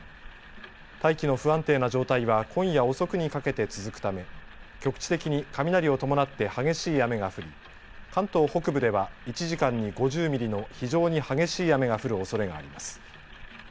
大気の不安定な状態は今夜遅くにかけて続くため局地的に雷を伴って激しい雨が降り関東北部では１時間に５０ミリの非常に激しい雨が降るおそれがあります。